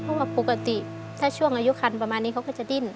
เพราะว่าปกติถ้าช่วงอายุคันประมาณนี้เขาก็จะดิ้น